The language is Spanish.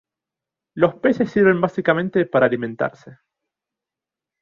Los peces sirven básicamente para alimentarse.